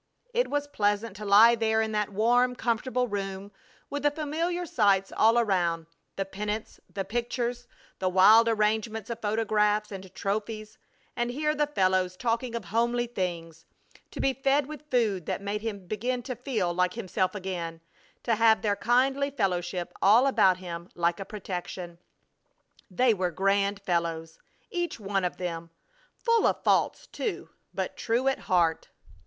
It was pleasant to lie there in that warm, comfortable room with the familiar sights all around, the pennants, the pictures, the wild arrangements of photographs and trophies, and hear the fellows talking of homely things; to be fed with food that made him begin to feel like himself again; to have their kindly fellowship all about him like a protection. They were grand fellows, each one of them; full of faults, too, but true at heart.